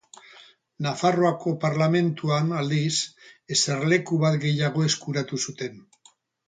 Nafarroako Parlamentuan, aldiz, eserleku bat gehiago eskuratu zuten.